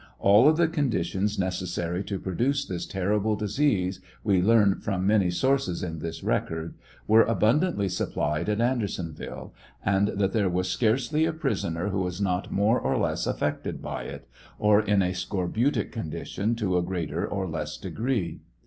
All of the conditions necessary to produce this terrible disease, we learn from many sources in this record, were abundantly supplied at Andersonville, and that there was scarcely a prisoner who was not more or less affected by it, or in a scorbutic condition to a greater or less degree.